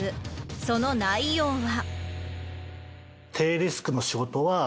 その内容は。